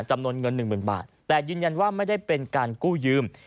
จำนวนเงินหนึ่งหมื่นบาทแต่ยืนยันว่าไม่ได้เป็นการกู้ยืม